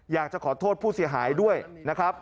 อยากจะขอโทษผู้เสียหายด้วยนะครับ